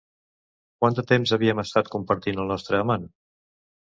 Quant de temps havíem estat compartint el nostre amant?